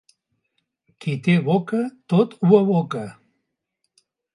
Qui té boca tot ho aboca.